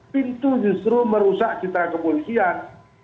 pintu justru merusak citra kepolisian